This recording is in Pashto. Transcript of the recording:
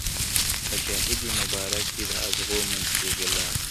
پاچاهي دي مبارک وي د ازغو منځ کي ګلاب ته,